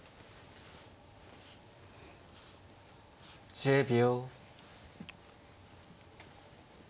１０秒。